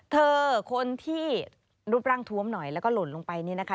เธอคนที่รูปร่างทวมหน่อยแล้วก็หล่นลงไปนี่นะคะ